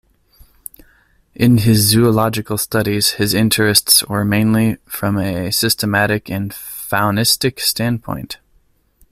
In his zoological studies, his interests were mainly from a systematic and faunistic standpoint.